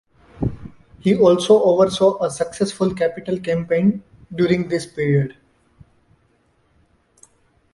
He also oversaw a successful capital campaign during this period.